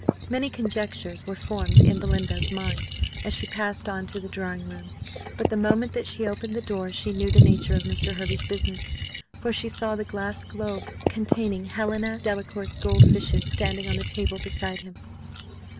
Many conjectures were formed in Belinda's mind as she passed on to the drawing room; but the moment that she opened the door, she knew the nature of Mr. Hervey's business, for she saw the glass globe containing Helena Delacour's gold fishes standing on the table beside him.